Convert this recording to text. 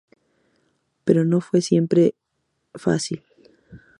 Pero no fue siempre es fácil;.